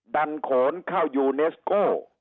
ดันโขนเข้ายูเนสโก้